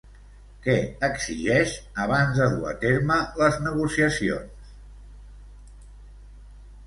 Què exigeix abans de dur a terme les negociacions?